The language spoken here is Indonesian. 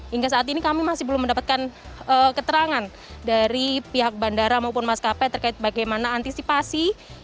hingga saat ini kami masih belum mendapatkan keterangan dari pihak bandara maupun maskapai terkait bagaimana antisipasi